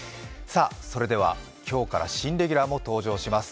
それでは今日から新レギュラーも登場します